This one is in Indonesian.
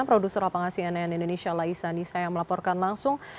produser apangasi nn indonesia laisa nisa yang melaporkan langsung